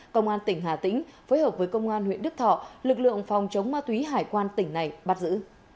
công an tỉnh hà tĩnh phối hợp với công an huyện đức thọ lực lượng phòng chống ma túy hải quan tỉnh này bắt giữ